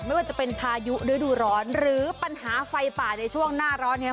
ไม่ว่าจะเป็นพายุฤดูร้อนหรือปัญหาไฟป่าในช่วงหน้าร้อนเนี่ย